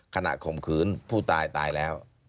ข่มขืนผู้ตายตายแล้ว